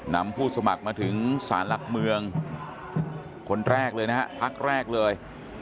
นำผู้สมัครมาถึงสารหลักเมืองคนแรกเลยนะฮะพักแรกเลย